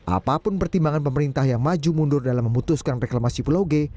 apapun pertimbangan pemerintah yang maju mundur dalam memutuskan reklamasi pulau g